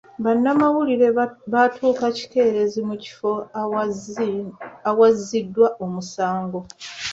Bannamawulire baatuuka kikeerezi mu kifo awazziddwa omusango.